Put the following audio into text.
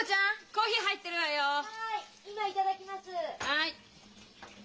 はい。